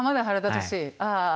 ああ。